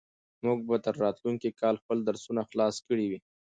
موږ به تر راتلونکي کاله خپل درسونه خلاص کړي وي.